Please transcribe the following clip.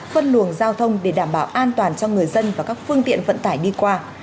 phân luồng giao thông để đảm bảo an toàn cho người dân và các phương tiện vận tải đi qua